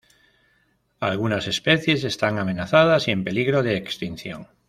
Algunas especies están amenazadas y en peligro de extinción.